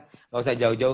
nggak usah jauh jauh